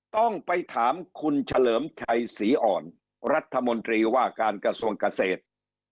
ต้องไปถามคุณเฉลิมชัยศรีอ่อนรัฐมนตรีว่าการกระทรวงเกษตร